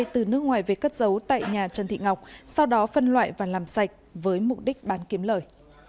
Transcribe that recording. từ nước ngoài về cất giấu tại nhà trần thị ngọc sau đó phân loại và làm sạch với mục đích bán kiếm lời